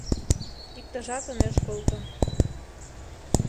Иктыжат ынеж колто.